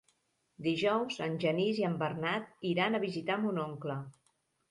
Dijous en Genís i en Bernat iran a visitar mon oncle.